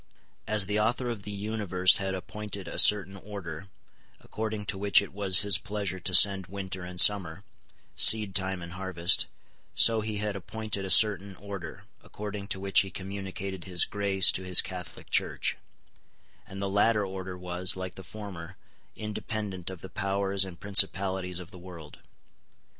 As the Author of the universe had appointed a certain order, according to which it was His pleasure to send winter and summer, seedtime and harvest, so He had appointed a certain order, according to which He communicated His grace to His Catholic Church; and the latter order was, like the former, independent of the powers and principalities of the world.